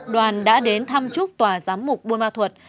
đoàn đã đến thăm chúc tòa giám mục buôn ma thuật